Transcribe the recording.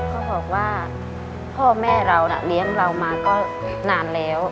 เขาบอกว่าพ่อแม่เราน่ะเลี้ยงเรามาก็นานแล้ว